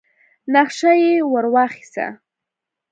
نخشه يې ور واخيسه.